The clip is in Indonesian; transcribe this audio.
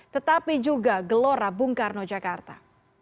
tetapi juga gelora bung karno jakarta